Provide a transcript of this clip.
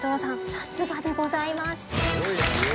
さすがでございます。